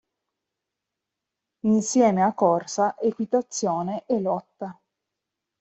Insieme a corsa, equitazione e lotta.